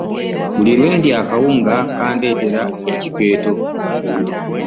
Buli lwe ndya akawunga kandetera ekikeeto.